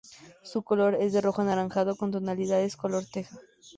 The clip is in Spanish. Su color es de un rojo anaranjado con tonalidades color teja.